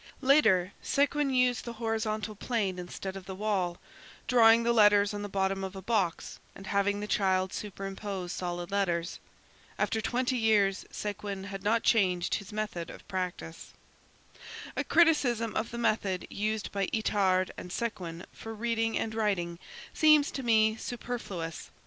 Later, Séguin used the horizontal plane instead of the wall, drawing the letters on the bottom of a box and having the child superimpose solid letters. After twenty years, Séguin had not changed his method of procedure. A criticism of the method used by Itard and Séguin for reading and writing seems to me superfluous.